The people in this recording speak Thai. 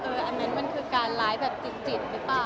อันนั้นมันคือการร้ายแบบจิตหรือเปล่า